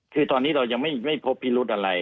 คือตอนนี้เรายังไม่พบพิรุธอะไร